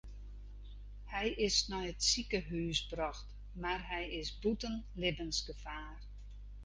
Hy is nei it sikehús brocht mar hy is bûten libbensgefaar.